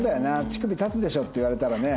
乳首たつでしょって言われたらね。